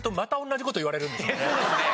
そうですね。